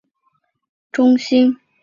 全罗道在当时已发展成水稻生产中心。